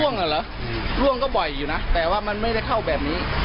เหรอร่วงก็บ่อยอยู่นะแต่ว่ามันไม่ได้เข้าแบบนี้